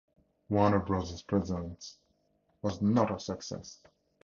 "Warner Brothers Presents" was not a success.